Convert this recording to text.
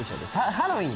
ハロウィーン。